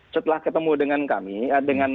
setelah ketemu dengan kami